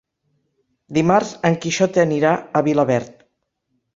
Dimarts en Quixot anirà a Vilaverd.